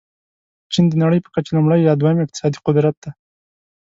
چین د نړۍ په کچه لومړی یا دوم اقتصادي قدرت دی.